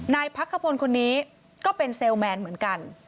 พักขพลคนนี้ก็เป็นเซลล์แมนเหมือนกัน